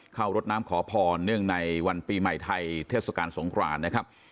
รดน้ำขอพรเนื่องในวันปีใหม่ไทยเทศกาลสงครานนะครับ